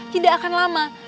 tidak akan lama